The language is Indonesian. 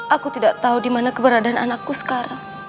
aku tidak tahu di mana keberadaan anakku sekarang